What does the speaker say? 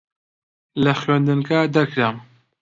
لە خوێندنگە دەرکرام.